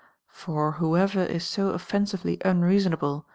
For whoever is so offcn sively unreasonable a.